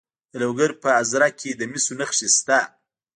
د لوګر په ازره کې د مسو نښې شته.